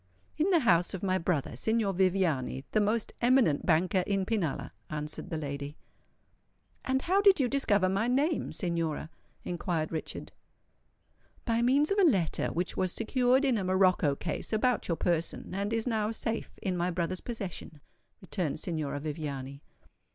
"In the house of my brother, Signor Viviani, the most eminent banker in Pinalla," answered the lady. "And how did you discover my name, Signora?" inquired Richard. "By means of a letter which was secured in a morocco case about your person, and is now safe in my brother's possession," returned Signora Viviani.